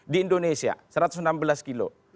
di indonesia satu ratus enam belas kilo